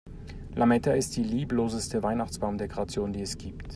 Lametta ist die liebloseste Weihnachtsbaumdekoration, die es gibt.